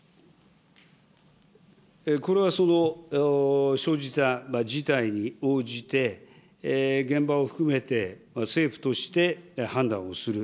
これはその、生じた事態に応じて、現場を含めて政府として判断をする。